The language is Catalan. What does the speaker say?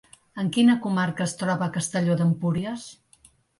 En quina comarca es troba Castelló d'Empúries?